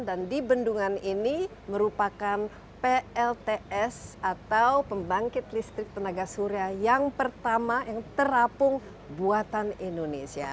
dan di bendungan ini merupakan plts atau pembangkit listrik tenaga surya yang pertama yang terapung buatan indonesia